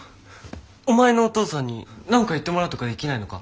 お前のお父さんに何か言ってもらうとかできないのか？